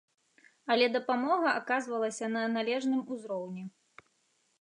Але дапамога аказвалася на належным узроўні.